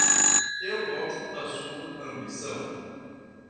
Eu gosto da sua ambição